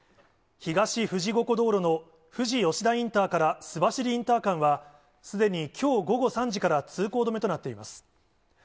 東富士五湖道路の富士吉田インターから須走インター間は、すでにきょう午後３時から通行止めとなっています。